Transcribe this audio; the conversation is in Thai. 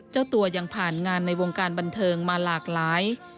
เจ้าตัวยังผ่านงานในวงการบันเทิงมาหลากหลาย